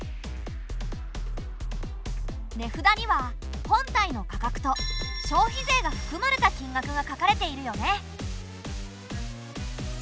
値札には本体の価格と消費税がふくまれた金額が書かれているよね。